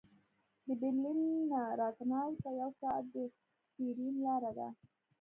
د برلین نه راتناو ته یو ساعت د ټرېن لاره ده